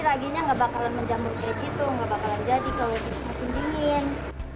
raginya nggak bakalan menjamur kayak gitu nggak bakalan jadi kalau musim dingin